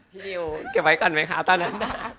นิวเก็บไว้ก่อนไหมคะตอนนั้น